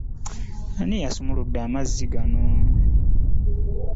Ani yasumuludde amazzi gano?